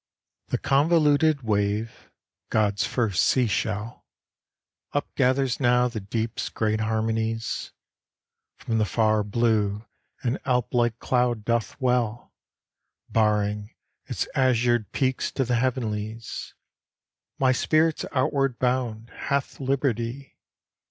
The convoluted wave, God's first sea shell, Upgathers now the deep's great harmonies; From the far blue an Alp like cloud doth well, Baring its azured peaks to the heavenlies. My spirit's outward bound, hath liberty!